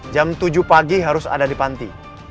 jam tujuh pagi harus ada di panti